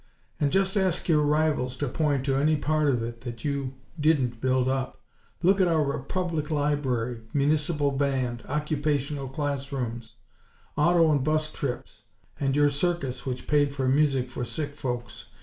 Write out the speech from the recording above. And just ask your rivals to point to any part of it that you didn't build up. Look at our Public Library, municipal band, occupational class rooms; auto and bus trips; and your circus which paid for music for sick folks.